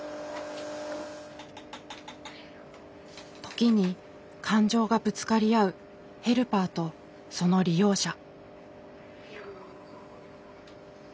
時に感情がぶつかり合うヘルパーとその利用者。